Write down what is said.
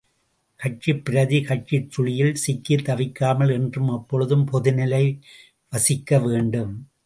கட்சி பிரதி கட்சிச் சுழியில் சிக்கித் தவிக்காமல் என்றும் எப்பொழுதும் பொதுநிலை வசிக்க வேண்டும்.